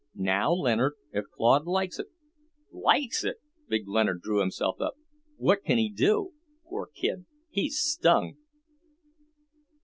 "Now, Leonard, if Claude likes it " "Likes it?" Big Leonard drew himself up. "What can he do, poor kid? He's stung!"